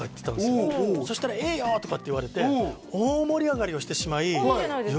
よそしたら「いいよ！」とかって言われて大盛り上がりをしてしまいはい